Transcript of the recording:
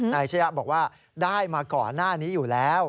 ชะยะบอกว่าได้มาก่อนหน้านี้อยู่แล้ว